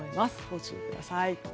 ご注意ください。